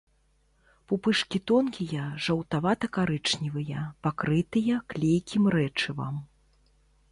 Пупышкі тонкія, жаўтавата- карычневыя, пакрытыя клейкім рэчывам.